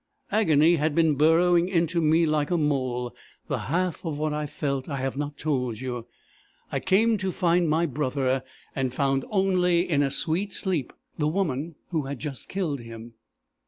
"Agony had been burrowing in me like a mole; the half of what I felt I have not told you: I came to find my brother, and found only, in a sweet sleep, the woman who had just killed him.